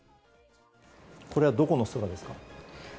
これはどこの空ですか？